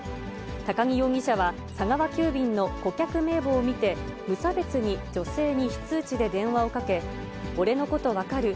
都木容疑者は、佐川急便の顧客名簿を見て、無差別に女性に非通知で電話をかけ、俺のこと分かる？